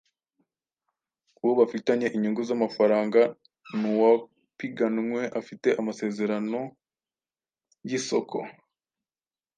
uwo bafitanye inyungu z’amafaranga n’uwapiganwe afite amasezerano y’isoko